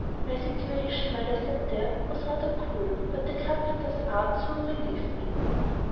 ] My situation, while I sat there, was rather cool, but the carpenter's art soon relieved me.